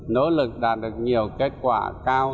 nỗ lực đạt được nhiều kết quả cao